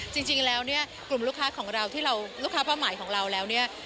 จริงแล้วเนี่ยกลุ่มลูกค้าของเราที่เราลูกค้าเป้าหมายของเราแล้วเนี่ย